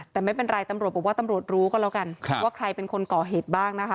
แต่ไม่เป็นไรตำรวจบอกว่าตำรวจรู้ก็แล้วกันว่าใครเป็นคนก่อเหตุบ้างนะคะ